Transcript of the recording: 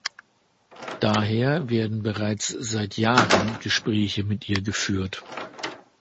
Daher werden bereits seit Jahren Gespräche mit ihr geführt.